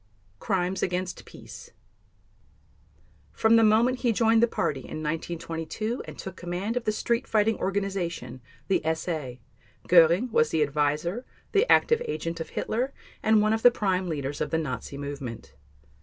Crimes against Peace From the moment he joined the Party in 1922 and took command of the street fighting organization, the SA, Göring was the adviser, the active agent of Hitler, and one of the prime leaders of the Nazi movement.